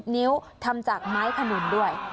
นิ้วทำจากไม้ขนุนด้วย